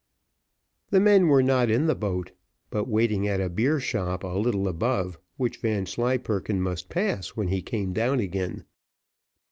The men were not in the boat, but waiting at a beer shop a little above, which Vanslyperken must pass when he came down again.